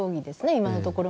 今のところ。